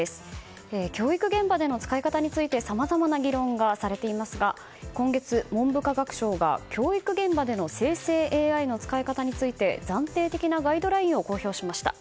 教育現場での使い方についてさまざまな議論がされていますが今月、文部科学省が教育現場での生成ＡＩの使い方について暫定的なガイドラインを公表しました。